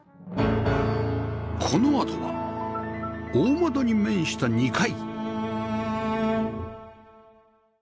このあとは大窓に面した２階